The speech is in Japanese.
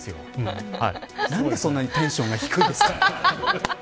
なんで、そんなにテンションが低いんですか。